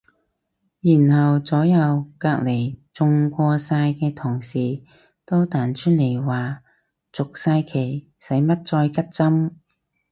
然後左右隔離中過晒嘅同事都彈出嚟話續晒期使乜再拮針